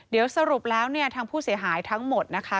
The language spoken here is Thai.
เดี๋ยวสรุปแล้วเนี่ยทางผู้เสียหายทั้งหมดนะคะ